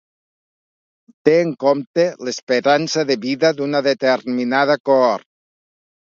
Té en compte l'esperança de vida d'una determinada cohort.